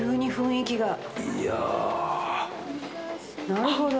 なるほど。